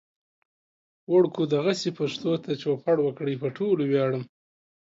وړکو دغسې پښتو ته چوپړ وکړئ. پو ټولو وياړم